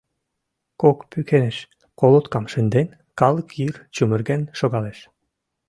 Кок пӱкенеш колоткам шынден, калык йыр чумырген шогалеш.